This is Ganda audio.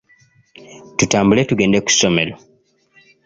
Tutambule tugende ku ssomero.